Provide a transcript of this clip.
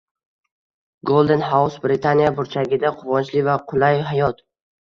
Golden House — Britaniya burchagida quvonchli va qulay hayot